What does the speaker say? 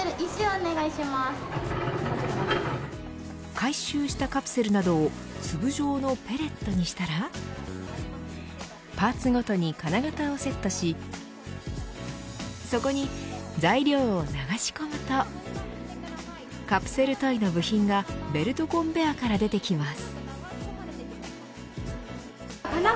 回収したカプセルなどを粒状のペレットにしたらパーツごとに金型をセットしそこに材料を流し込むとカプセルトイの部品がベルトコンベアから出てきます。